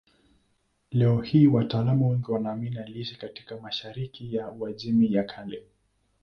Leo hii wataalamu wengi wanaamini aliishi katika mashariki ya Uajemi ya Kale.